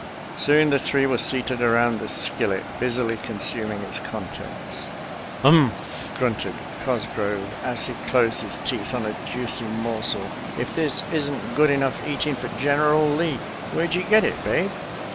Soon the three were seated around the skillet, busily consuming its contents. FEASTS AND FEATHER BEDS 275 "Umph!" grunted Cosgrove as he closed his teeth on a juicy morsel; "if this isn't good enough eatin' for General Lee! Where'd you get it, Babe?